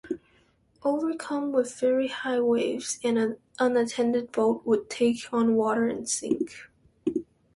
Overcome with very high waves, an unattended boat would take on water and sink.